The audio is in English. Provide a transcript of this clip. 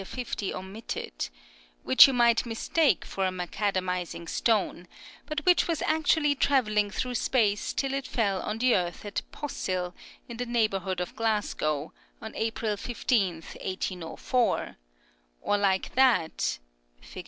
50 omitted), which you might mistake for a macadamizing stone, but which was actually travelling through space till it fell on the earth at Possil, in the neighborhood of Glasgow, on April 15th, 1804; or like that (Fig.